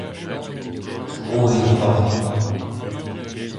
da dro eo da c'hoari.